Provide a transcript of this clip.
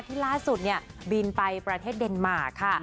ที่ล่าสุดบินไปประเทศเดนมาร